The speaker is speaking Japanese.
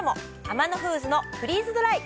アマノフーズのフリーズドライ！